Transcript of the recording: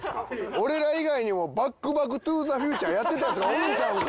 俺ら以外にもバックバク・トゥ・ザ・フューチャーやってたヤツがおんのちゃうんか？